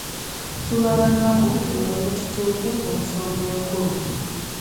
Tubala nnaku tulyoke tutuuke ku nsonga enkulu.